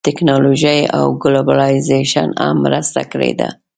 ټیکنالوژۍ او ګلوبلایزېشن هم مرسته کړې ده